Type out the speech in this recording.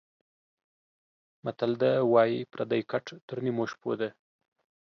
متل ده:واى پردى ګټ تر نيمو شپو ده.